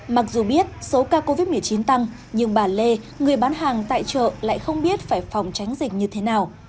mặc dù biết số ca covid một mươi chín tăng nhưng bà lê người bán hàng tại chợ lại không biết phải phòng tránh dịch như thế nào